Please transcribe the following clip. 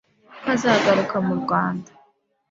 ko azagaruka mu Rwanda